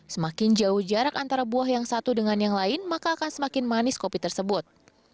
semakin jauh jarak antara buah yang satu dengan yang lain maka akan semakin manis kopi tersebut